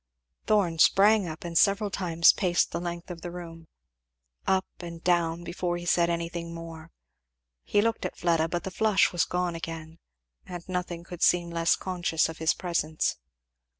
Thorn sprang up, and several times paced the length of the room, up and down, before he said anything more. He looked at Fleda, but the flush was gone again, and nothing could seem less conscious of his presence.